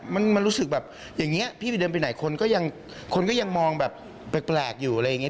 มันรู้สึกแบบอย่างนี้พี่ไปเดินไปไหนคนก็ยังคนก็ยังมองแบบแปลกอยู่อะไรอย่างเงี้